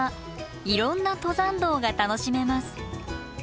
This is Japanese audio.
いろんな登山道が楽しめます。